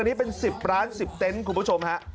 อันนี้เป็น๑๐ร้าน๑๐เต็นต์คุณผู้ชมฮะ